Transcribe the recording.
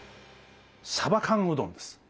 さば缶うどんです。